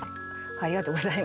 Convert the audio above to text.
「ありがとうございます」